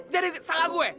jadi salah gue